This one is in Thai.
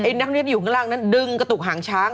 นักเรียนที่อยู่ข้างล่างนั้นดึงกระตุกหางช้าง